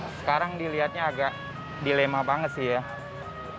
sekarang dilihatnya agak dilema banget sih ya